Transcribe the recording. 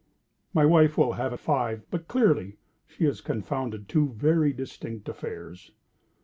My wife will have it five;—but, clearly, she has confounded two very distinct affairs.